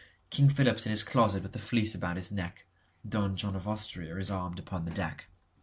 King Philip's in his closet with the Fleece about his neck(Don John of Austria is armed upon the deck.)